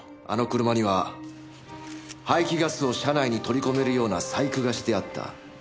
あの車には排気ガスを車内に取り込めるような細工がしてあった。